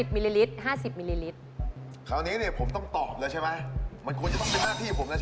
มันควรจะต้องเป็นหน้าที่ผมนะใช่ไหมครับ